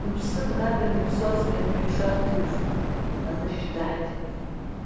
Даныԥсы, днаганы, иԥсуа зегьы анышә ишарҭо еиԥш, анышә даҳҭеит.